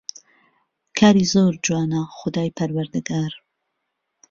کاری زۆر جوانە خودای پەروەردگار